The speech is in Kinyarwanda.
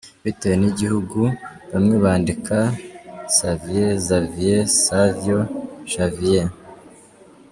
Bitewe n’igihugu, bamwe bandika Xavier, Zavier, Xavior, Javier.